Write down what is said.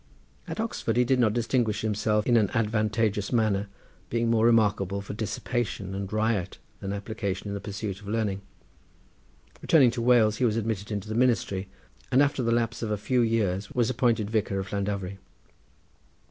At Oxford he did not distinguish himself in an advantageous manner, being more remarkable for dissipation and riot than application in the pursuit of learning. Returning to Wales he was admitted into the ministry, and after the lapse of a few years was appointed vicar of Llandovery.